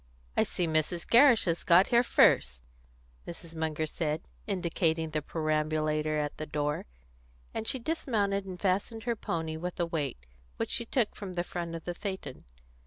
"I see Mrs. Gerrish has got here first," Mrs. Munger said, indicating the perambulator at the door, and she dismounted and fastened her pony with a weight, which she took from the front of the phaeton.